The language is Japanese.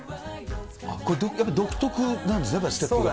これ、やっぱり独特なんですね、ステップが。